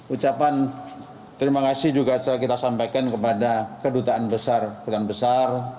ucapan terima kasih juga saya sampaikan kepada kedutaan besar ketua keputusan besar